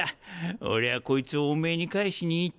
俺はこいつをおめぇに返しに行った。